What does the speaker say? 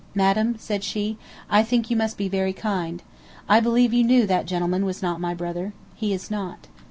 "Madam," said she, "I think you must be very kind. I believe you knew that gentleman was not my brother. He is not."